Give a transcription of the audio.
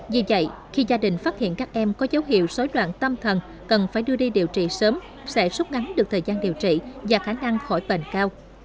vì vậy khi gia đình phát hiện các em có dấu hiệu xối loạn tâm thần cần phải đưa đi điều trị sớm sẽ rút ngắn được thời gian điều trị và khả năng khỏi bệnh cao